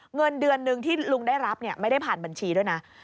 เงินเดือนหนึ่งที่ลุงได้รับไม่ได้ผ่านบัญชีด้วยนะ